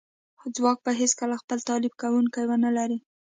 ځواک به هیڅکله خپل تالیف کونکی ونه لري